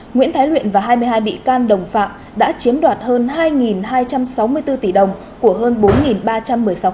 nguyễn thái luyện và hai mươi hai bị can đồng phạm đã chiếm đoạt hơn hai hai trăm sáu mươi bốn tỷ đồng của hơn bốn ba trăm một mươi sáu khách hàng trước đó vụ án đã ba lần bị trả hồ sơ để điều tra và bổ sung